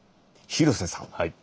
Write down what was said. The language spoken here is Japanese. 廣瀬さん